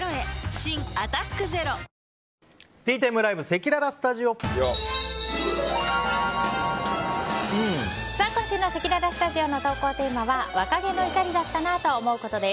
新「アタックＺＥＲＯ」今週のせきららスタジオの投稿テーマは若気の至りだったなぁと思うことです。